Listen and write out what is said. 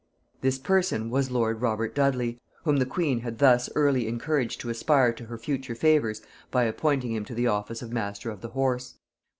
This person was lord Robert Dudley, whom the queen had thus early encouraged to aspire to her future favors by appointing him to the office of master of the horse.